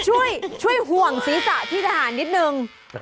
ช่วยห่วงศีรษะพี่ทหารนิดนึง